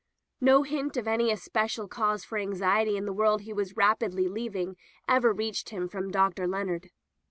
No hint of any especial cause for anxiety in the world he was rapidly leav ing ever reached him from Dr. Leonard.